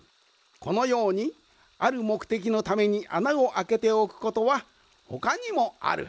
このようにあるもくてきのためにあなをあけておくことはほかにもある。